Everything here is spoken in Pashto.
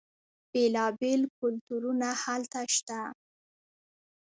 بیلا بیل کلتورونه هلته شته.